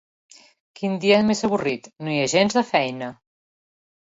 Quin dia més avorrit, no hi ha gens de feina!